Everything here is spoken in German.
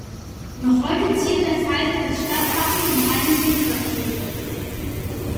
Noch heute ziert der Falke das Stadtwappen und eines der Stadttore.